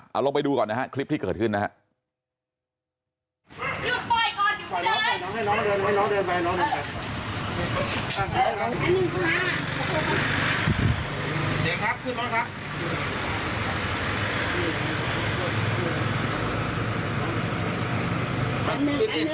เอาลงไปดูก่อนนะฮะคลิปที่เกิดขึ้นนะครับ